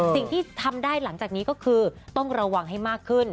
สิ่งที่ทำได้หลังจากนี้ก็คือต้องระวังให้มากขึ้น